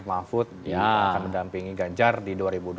mahfud yang akan mendampingi ganjar di dua ribu dua puluh